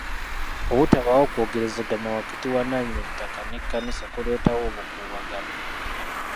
Obutabaawo kwogerezeganya wakati wa nnannyini ttaka n'ekkanisa kuleetawo obukuubagano.